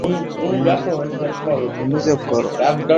তিনি ঘোড়ার এই ইচ্ছায় বাধা দেননি।